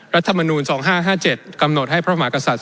รัฐมนูล๒๕๕๗กำหนดให้พระมหากษัตริย